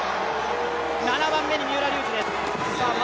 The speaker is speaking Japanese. ７番目に三浦龍司です。